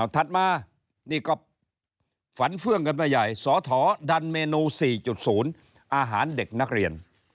ถัดมานี่ก็ฝันเฟื่องกันไปใหญ่สอทอดันเมนู๔๐อาหารเด็กนักเรียน